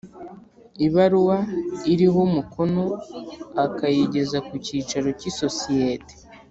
Ibaruwa iriho umukono akayigeza ku cyicaro cy i sosiyete